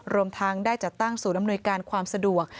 รวมทั้งได้จัดตั้งศูนย์อำนวยการความสะดวก